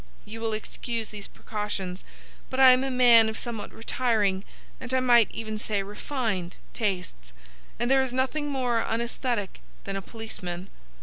You will excuse these precautions, but I am a man of somewhat retiring, and I might even say refined, tastes, and there is nothing more unæsthetic than a policeman.